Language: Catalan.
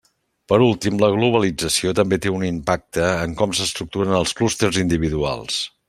Per últim, la globalització també té un impacte en com s'estructuren els clústers individuals.